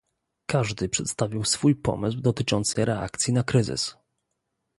Każdy przedstawił swój pomysł dotyczący reakcji na kryzys